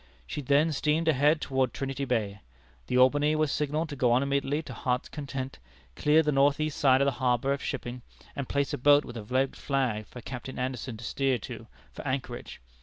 She then steamed ahead toward Trinity Bay. The Albany was signalled to go on immediately to Heart's Content, clear the northeast side of the harbor of shipping, and place a boat with a red flag for Captain Anderson to steer to, for anchorage.